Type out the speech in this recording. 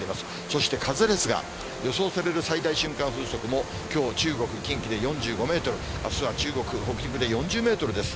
そして風ですが、予想される最大瞬間風速も、きょう、中国、近畿で４５メートル、あすは中国、北陸で４０メートルです。